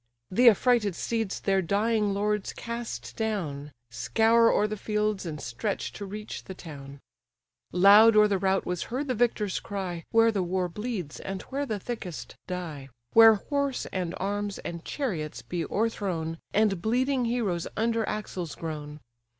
The affrighted steeds their dying lords cast down, Scour o'er the fields, and stretch to reach the town. Loud o'er the rout was heard the victor's cry, Where the war bleeds, and where the thickest die, Where horse and arms, and chariots lie o'erthrown, And bleeding heroes under axles groan.